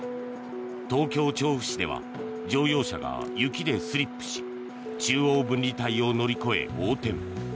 東京・調布市では乗用車が雪でスリップし中央分離帯を乗り越え横転。